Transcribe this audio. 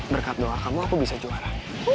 berkat doa kamu aku bisa juara